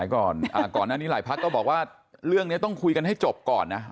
ก่อนหน้านี้หลายพักก็บอกว่าเรื่องนี้ต้องคุยกันให้จบก่อนนะ